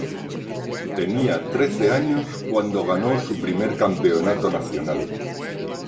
Tenía trece años cuando ganó su primer campeonato nacional.